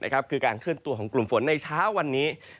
คือการเคลื่อนตัวของกลุ่มฝนในเช้าวันนี้